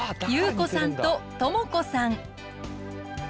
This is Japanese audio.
侑子さんと知子さん。